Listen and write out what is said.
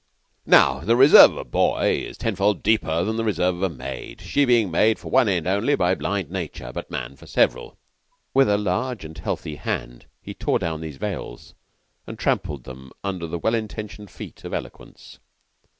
Now the reserve of a boy is tenfold deeper than the reserve of a maid, she being made for one end only by blind Nature, but man for several. With a large and healthy hand, he tore down these veils, and trampled them under the well intentioned feet of eloquence.